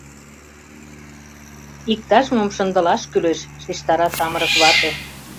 — Иктаж-мом шындылаш кӱлеш, — шижтара самырык вате.